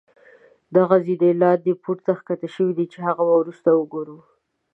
دغه زينې لاندې پوړ ته ښکته شوي چې هغه به وروسته وګورو.